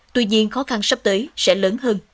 tuy nhiên khó khăn sắp tới sẽ lớn hơn